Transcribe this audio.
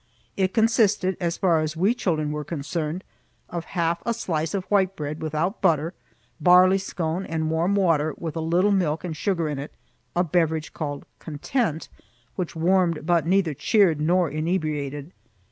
It consisted, as far as we children were concerned, of half a slice of white bread without butter, barley scone, and warm water with a little milk and sugar in it, a beverage called "content," which warmed but neither cheered nor inebriated.